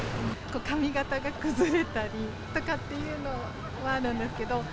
髪形が崩れたりとかっていうのはあるんですけど。